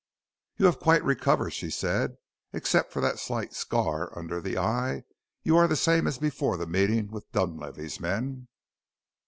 "You have quite recovered," she said; "except for that slight scar under the eye you are the same as before the meeting with Dunlavey's men."